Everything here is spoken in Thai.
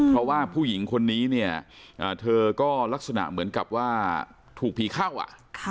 เพราะว่าผู้หญิงคนนี้เนี่ยเธอก็ลักษณะเหมือนกับว่าถูกผีเข้าอ่ะ